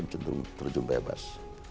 cenderung terjun bebas